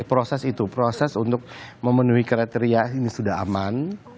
proses itu proses untuk memenuhi kriteria ini sudah aman